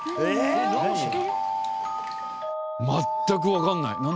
全くわかんない。